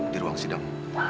di ruang sidang